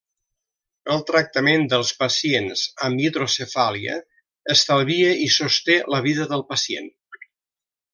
El tractament dels pacients amb hidrocefàlia estalvia i sosté la vida del pacient.